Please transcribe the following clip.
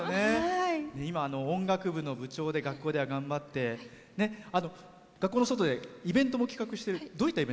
今、音楽部の部長で学校では頑張って、学校の外でイベントも企画してる。